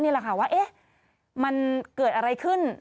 นี่แหละค่ะว่ามันเกิดอะไรขึ้น